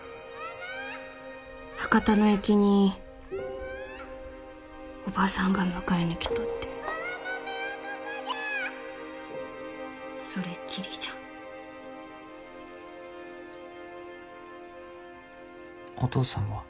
博多の駅におばさんが迎えにきとって空豆はここじゃ！それっきりじゃお父さんは？